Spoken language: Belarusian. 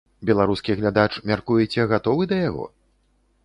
Беларускі глядач, мяркуеце, гатовы да яго?